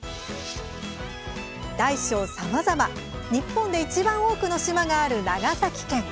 大小さまざま、日本でいちばん多くの島がある長崎県。